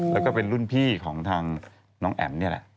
แล้วก็เป็นรุ่นพี่ของทางน้องแอ๋มนี่แหละ